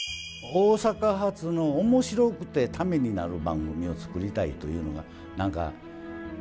大阪発の面白くてためになる番組を作りたいというような何か。